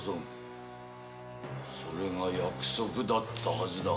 それが約束だったハズだ。